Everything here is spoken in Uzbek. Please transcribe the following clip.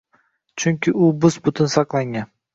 Chunki u bus-butun saqlangan.